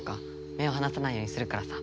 目をはなさないようにするからさ。